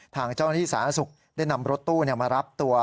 ทางเจ้าหน้าที่สาธารณสุขได้นำรถตู้มารับตัว